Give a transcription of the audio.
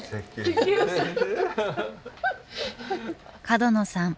角野さん